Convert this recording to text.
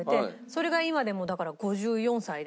それが今でもだから５４歳で。